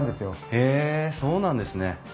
へえそうなんですね。